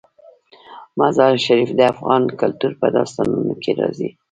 مزارشریف د افغان کلتور په داستانونو کې راځي.